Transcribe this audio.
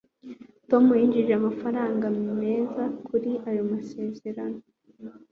Tom yinjije amafaranga meza kuri ayo masezerano